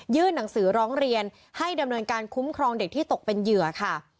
หนังสือร้องเรียนให้ดำเนินการคุ้มครองเด็กที่ตกเป็นเหยื่อค่ะ